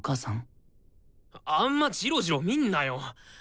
あんまじろじろ見んなよ。